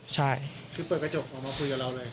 ใช่คือเปิดกระจกออกมาคุยกับเราเลย